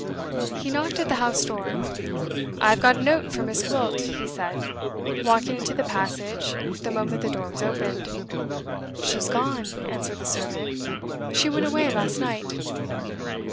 He knocked at the house door. "I have got a note for Miss Gwilt," he said, walking into the passage, the moment the door was opened. "She's gone," answered the servant. "She went away last night."